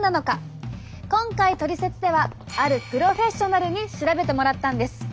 今回「トリセツ」ではあるプロフェッショナルに調べてもらったんです！